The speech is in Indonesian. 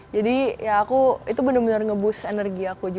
jadi ya aku itu bener bener nge boost energi aku juga